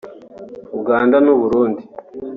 Uganda n’Uburundi